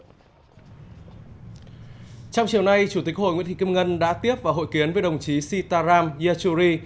trong chiều nay chủ tịch hội nguyễn thị kim ngân đã tiếp và hội kiến với đồng chí sitaram yachuri